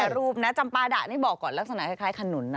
รูปนะจำปาดะนี่บอกก่อนลักษณะคล้ายขนุนนะ